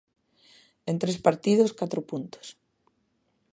En tres partidos, catro puntos.